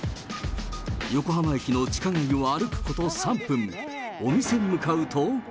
横浜駅の地下街を歩くこと３分、お店に向かうと。